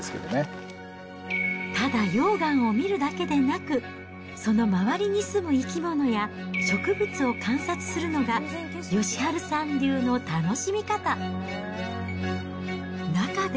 ただ溶岩を見るだけでなく、その周りに住む生き物や植物を観察するのが、義治さん流の楽しみ方。